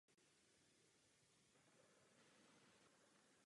Prostředí dané lokace je tudíž většinou statické nebo se obraz jen otáčí.